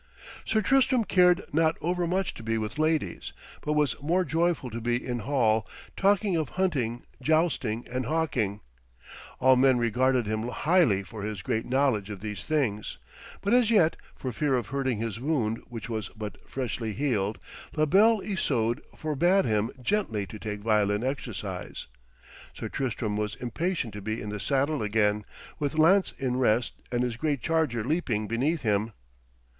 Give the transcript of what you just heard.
Sir Tristram cared not overmuch to be with ladies, but was more joyful to be in hall, talking of hunting, jousting and hawking. All men regarded him highly for his great knowledge of these things, but as yet, for fear of hurting his wound which was but freshly healed, La Belle Isoude forbade him gently to take violent exercise. Sir Tristram was impatient to be in the saddle again, with lance in rest and his great charger leaping beneath him.